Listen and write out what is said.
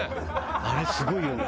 あれすごいよね